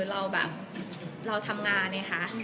เราแบบเราทำงานไงคะ